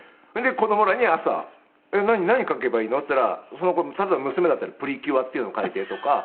子供らに朝「何描けばいいの？」って言ったらその頃多分娘だったら『プリキュア』っていうのを描いてとか。